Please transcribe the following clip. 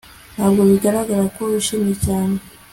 Ntabwo bigaragara ko wishimye cyane